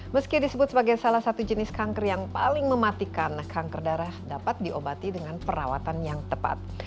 meski disebut sebagai salah satu jenis kanker yang paling mematikan kanker darah dapat diobati dengan perawatan yang tepat